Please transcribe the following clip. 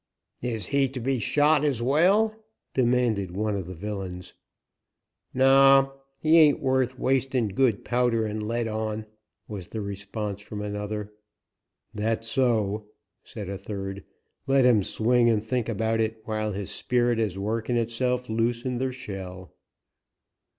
"Is he to be shot as well?" demanded one of the villains. "No, he ain't worth wastin' good powder and lead on," was the response from another. "That's so," said a third. "Let him swing and think about et while his speerit is workin' itself loose in ther shell."